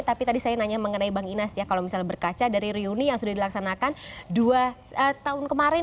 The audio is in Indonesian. tapi tadi saya nanya mengenai bang inas ya kalau misalnya berkaca dari reuni yang sudah dilaksanakan dua tahun kemarin